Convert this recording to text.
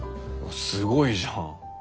すごいじゃん。